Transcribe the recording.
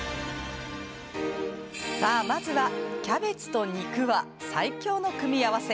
さあ、まずはキャベツと肉は最強の組み合わせ。